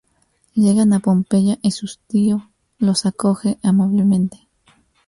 Llegan a Pompeya y su tío los acoge amablemente.